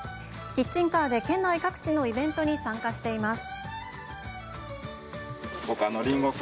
キッチンカーで県内各地のイベントに参加しています。